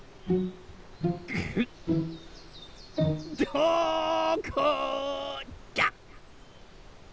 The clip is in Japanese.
・どこだ？